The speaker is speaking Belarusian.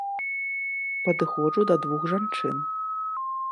Падыходжу да двух жанчын.